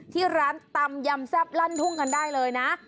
ที่ร้านตำยำแซ่บลั่นทุ่งกันได้เลยนะ